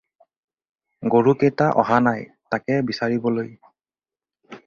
গৰুকেইটা অহা নাই, তাকে বিচাৰিবলৈ।